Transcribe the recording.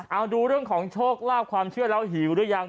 เอาดูเรื่องของโชคลาภความเชื่อแล้วหิวหรือยัง